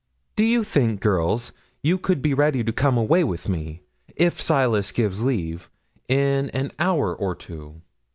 'Do you think, girls, you could be ready to come away with me, if Silas gives leave, in an hour or two?